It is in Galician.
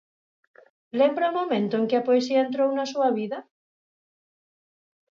Lembra o momento en que a poesía entrou na súa vida?